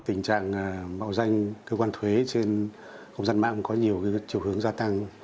tình trạng bạo danh cơ quan thuế trên công dân mạng có nhiều chiều hướng gia tăng